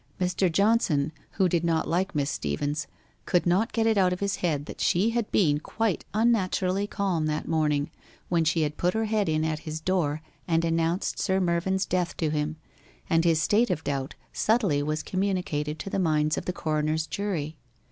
Mr. Johnson who did not like Miss Steevens, could not get it out of his head that she had been quite unnaturally calm that morning when she had put her head in at his door and announced Sir Mervyn's death to him, and his state of doubt subtly was communicated to the minds of the coroner's jury.